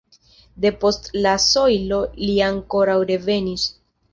De post la sojlo li ankoraŭ revenis.